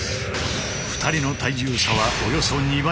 ２人の体重差はおよそ２倍。